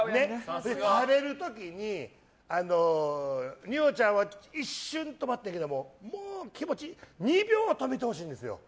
食べる時に二葉ちゃんは一瞬止まったけどもう気持ち２秒止めてほしいんですよ。